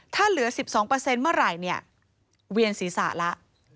ถ้าเหลือ๑๒เมื่อไหร่เนี่ยเวียนศีรษะแล้ว